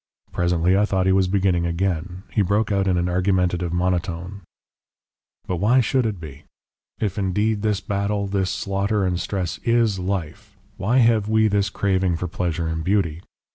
Presently I thought he was beginning again. He broke out in an argumentative monotone: "But why should it be? If, indeed, this battle, this slaughter and stress IS life, why have we this craving for pleasure and beauty?